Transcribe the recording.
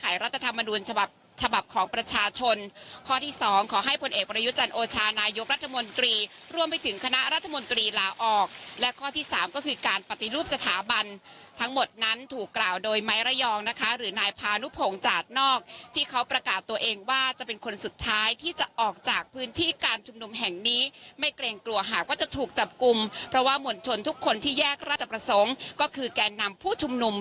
ยุจรรย์โอชารายุบรัฐมนตรีร่วมไปถึงคณะรัฐมนตรีลาออกและข้อที่๓ก็คือการปฏิรูปสถาบันทั้งหมดนั้นถูกกล่าวโดยไม้ระยองนะคะหรือนายพานุพงศ์จากนอกที่เขาประกาศตัวเองว่าจะเป็นคนสุดท้ายที่จะออกจากพื้นที่การชุมนมแห่งนี้ไม่เกรงกลัวหากว่าจะถูกจับกลุ่มเพราะว่ามวลชนทุกคนที่แยกราช